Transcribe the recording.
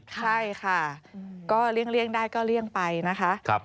ใช่ค่ะก็เลี่ยงได้ก็เลี่ยงไปนะคะ